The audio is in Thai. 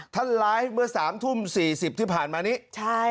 ท่านไลฟ์เมื่อ๓ทุ่ม๔๐ที่ผ่านมานี้